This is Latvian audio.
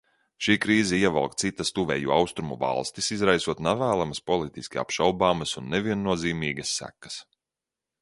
Šī krīze ievelk citas Tuvējo Austrumu valstis, izraisot nevēlamas, politiski apšaubāmas un neviennozīmīgas sekas.